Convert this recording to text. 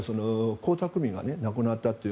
江沢民が亡くなったという。